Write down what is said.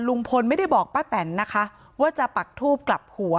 ลุงพลไม่ได้บอกป้าแตนนะคะว่าจะปักทูบกลับหัว